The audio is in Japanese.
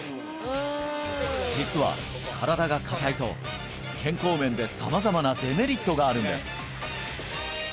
実は身体が硬いと健康面で様々なデメリットがあるんです